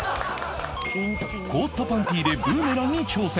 凍ったパンティーでブーメランに挑戦